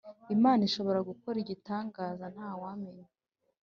Imana ishobora gukora igitangaza ntawamenya